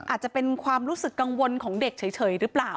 อาจจะเป็นความรู้สึกกังวลของเด็กเฉยหรือเปล่า